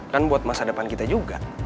kan buat masa depan kita juga